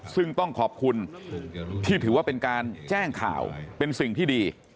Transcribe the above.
ซึ่งต้องขอบคุณที่ถือว่าเป็นการแจ้งข่าวเป็นสิ่งที่ดี